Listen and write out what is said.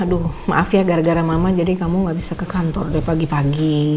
aduh maaf ya gara gara mama jadi kamu gak bisa ke kantor dari pagi pagi